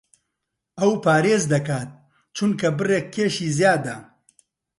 ئەو پارێز دەکات چونکە بڕێک کێشی زیادە.